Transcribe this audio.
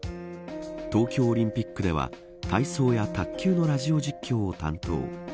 東京オリンピックでは体操や卓球のラジオ実況を担当。